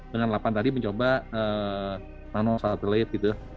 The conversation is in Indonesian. dengan delapan tadi mencoba nano satelit gitu